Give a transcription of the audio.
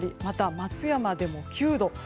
また、松山でも９度。